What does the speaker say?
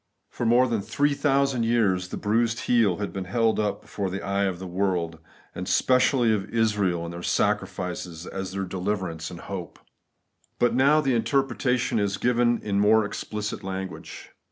For more than three thousand years the * bruised heel ' had been held up before the eye of the world, and specially of Israel (in their sacrifices), as their deliverance and hope. But now the interpretation is given in more explicit language.